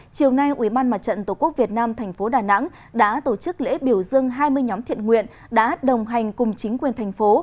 chiều nay ubnd tqvn tp đà nẵng đã tổ chức lễ biểu dưng hai mươi nhóm thiện nguyện đã đồng hành cùng chính quyền thành phố